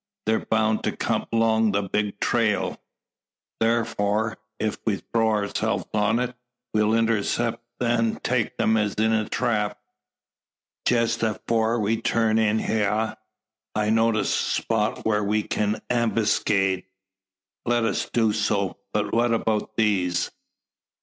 They're bound to kum 'long the big trail. Tharfor, ef we throw ourselves on it, we'll intercep' an' take 'em as in a trap. Jess afore we turned in hyar, I noticed a spot whar we kin ambuskade." "Let us do so; but what about these?"